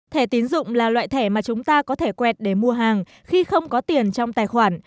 thẻ tiến dụng là loại thẻ mà chúng ta có thể quẹt để mua hàng khi không có tiền trong tài khoản